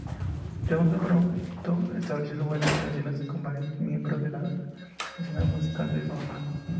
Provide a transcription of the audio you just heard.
Johnson pronto estableció buenas relaciones con varios miembros de la escena musical de Toronto.